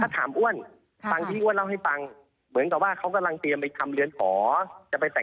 ต้องถามมันเป็นก้อนใหญ่มาก